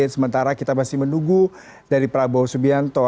sementara kita masih menunggu dari prabowo subianto